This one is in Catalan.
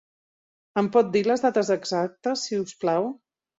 Em pot dir les dates exactes, si us plau?